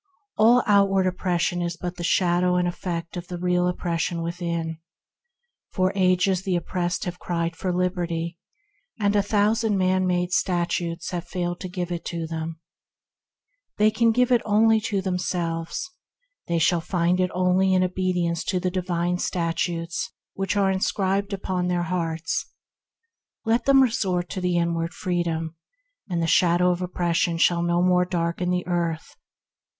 All outward oppression is only the shadow and effect of the real oppression within. For ages the oppressed have cried for liberty, and a thousand man made statutes have failed to give it to them. They only can give it to themselves; they shall find it only in obedience to the Divine Statutes that are inscribed upon their hearts. Let them resort to the inward Freedom, and the shadow of oppression shall no more darken the earth.